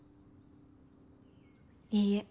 いいえ。